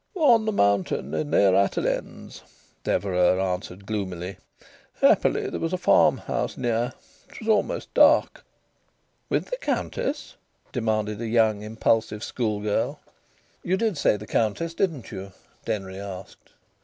"On the mountain, near Attalens," Deverax answered gloomily. "Happily there was a farmhouse near it was almost dark." "With the Countess?" demanded a young impulsive schoolgirl. "You did say the Countess, didn't you?" Denry asked.